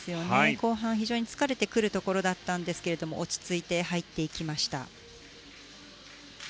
後半、非常に疲れてくるところだったんですが落ち着いて入っていきました。